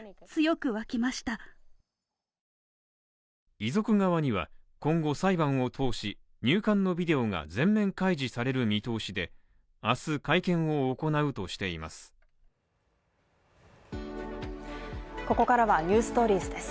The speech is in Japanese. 遺族側には今後裁判を通し、入管のビデオが全面開示される見通しで、明日会見を行うとしています。